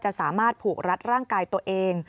สามารถผูกรัดร่างกายตัวเอง